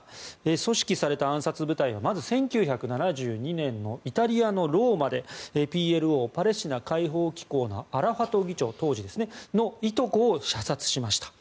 組織された暗殺部隊はまず１９７２年のイタリアのローマでＰＬＯ・パレスチナ解放機構の当時のアラファト議長のいとこを射殺しました。